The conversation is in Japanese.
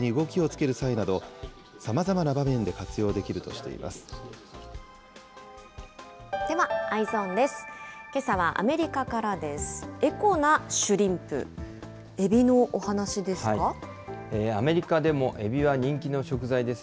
けさはアメリカからです。